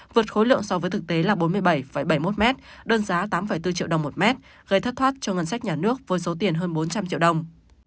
vượt khối lượng so với thực tế là bốn mươi bảy bảy mươi một m đơn giá tám bốn triệu đồng một mét gây thất thoát cho ngân sách nhà nước với số tiền hơn bốn trăm linh triệu đồng